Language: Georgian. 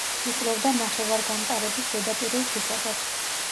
იკვლევდა ნახევარგამტარების ზედაპირულ თვისებებს.